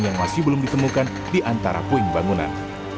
yang masih belum ditemukan di antara puing bangunan